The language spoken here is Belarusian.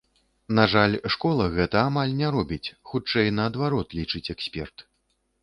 На жаль, школа гэта амаль не робіць, хутчэй, наадварот, лічыць эксперт.